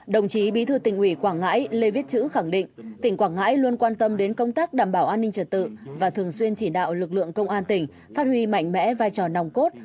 đồng chí bí thư tỉnh ủy quảng ngãi lê viết chữ khẳng định tỉnh quảng ngãi luôn quan tâm đến công tác đảm bảo an ninh trật tự và thường xuyên chỉ đạo lực lượng công an tỉnh phát huy mạnh mẽ vai trò nòng cốt